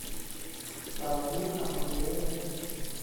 Well who have we here?